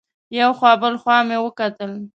یو خوا بل خوا مې وکتل.